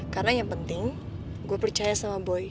karena yang penting gue percaya sama boy